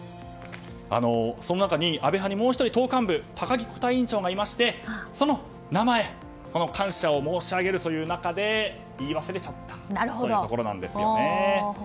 安倍派にもう１人、党幹部高木国対委員長がいましてその名前を感謝を申し上げるという中で言い忘れちゃったというところなんですね。